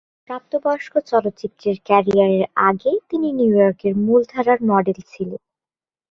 প্রাপ্ত বয়স্ক চলচ্চিত্রের ক্যারিয়ারের আগে তিনি নিউইয়র্কের মূলধারার মডেল ছিলেন।